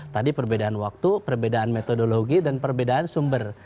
tadi perbedaan waktu perbedaan metodologi dan perbedaan sumber